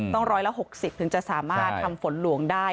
ร้อยละ๖๐ถึงจะสามารถทำฝนหลวงได้